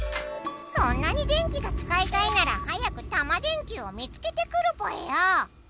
そんなに電気がつかいたいならはやくタマ電Ｑを見つけてくるぽよ！